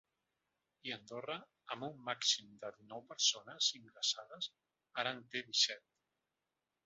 I Andorra, amb un màxim de dinou persones ingressades, ara en té disset.